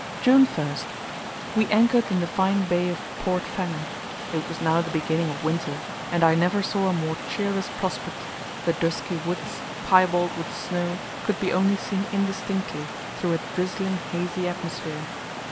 June 1st. We anchored in the fine bay of Port Famine. It was now the beginning of winter, and I never saw a more cheerless prospect; the dusky woods, piebald with snow, could be only seen indistinctly, through a drizzling hazy atmosphere.